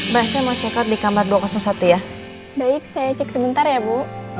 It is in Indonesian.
berasnya mau cek di kamar dua ratus satu ya baik saya cek sebentar ya bu